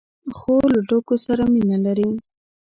خور له ټوکو سره مینه لري.